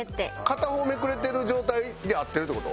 片方めくれてる状態で合ってるって事？